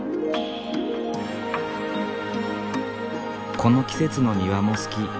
「この季節の庭も好き」